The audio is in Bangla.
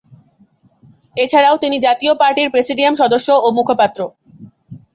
এছাড়াও তিনি জাতীয় পার্টির প্রেসিডিয়াম সদস্য ও মুখপাত্র।